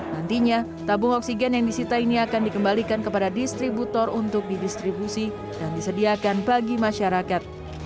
nantinya tabung oksigen yang disita ini akan dikembalikan kepada distributor untuk didistribusi dan disediakan bagi masyarakat